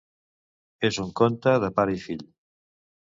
És un conte de pare i fill.